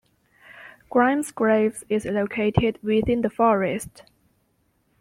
Grimes Graves is located within the forest.